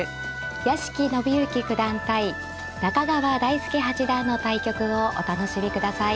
屋敷伸之九段対中川大輔八段の対局をお楽しみください。